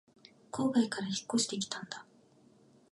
郊外から引っ越してきたんだ